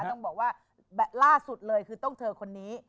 ต้องบอกว่าล่าสุดเลยคือต้องเธอคนนี้